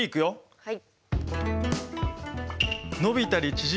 はい。